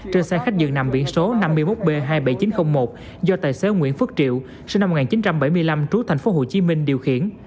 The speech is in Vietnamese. trên xe khách dường nằm viện số năm mươi một b hai mươi bảy nghìn chín trăm linh một do tài xế nguyễn phước triệu sinh năm một nghìn chín trăm bảy mươi năm trú thành phố hồ chí minh điều khiển